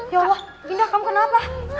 ya allah pindah kamu kenapa